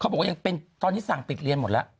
บอกว่ายังเป็นตอนนี้สั่งปิดเรียนหมดแล้ว